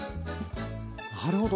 なるほど。